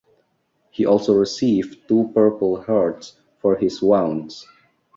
He also received two Purple Hearts for his wounds.